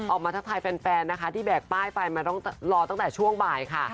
ทักทายแฟนนะคะที่แบกป้ายไปมาต้องรอตั้งแต่ช่วงบ่ายค่ะ